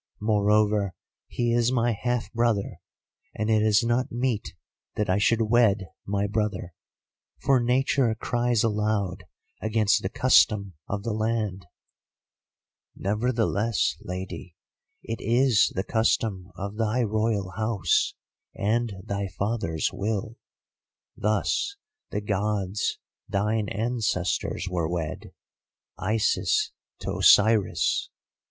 Moreover, he is my half brother, and it is not meet that I should wed my brother. For nature cries aloud against the custom of the land.' "'Nevertheless, Lady, it is the custom of thy Royal house, and thy father's will. Thus the Gods, thine ancestors, were wed; Isis to Osiris.